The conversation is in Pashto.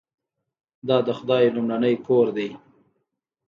دا د خدای لومړنی کور دی.